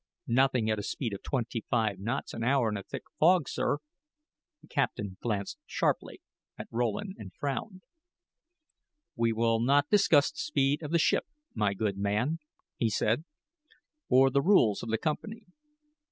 "Nothing at a speed of twenty five knots an hour in a thick fog, sir." The captain glanced sharply at Rowland and frowned. "We will not discuss the speed of the ship, my good man," he said, "or the rules of the company.